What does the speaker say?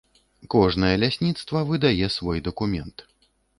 Кожнае лясніцтва выдае свой дакумент.